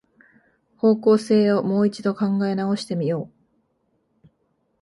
方向性をもう一度考え直してみよう